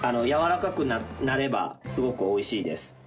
やわらかくなればすごくおいしいです。